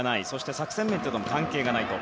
作戦面も関係がないと。